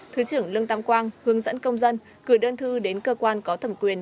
thứ trưởng lương tam quang hướng dẫn công dân gửi đơn thư đến cơ quan có thẩm quyền